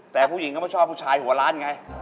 แต่ผู้หญิงก็ไม่ชอบผู้ชายหัวล้านไง